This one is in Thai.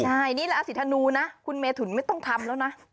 ใช่นี่ราศีธนูนะคุณเมถุนไม่ต้องทำแล้วนะ